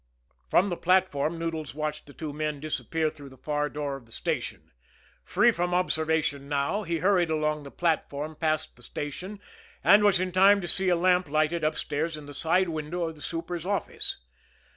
From the platform, Noodles watched the two men disappear through the far door of the station. Free from observation now, he hurried along the platform past the station, and was in time to see a lamp lighted upstairs in the side window of the super's office.